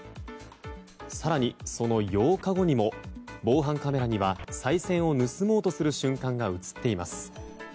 更に、その８日後にも防犯カメラにはさい銭を盗もうとする瞬間が映っています。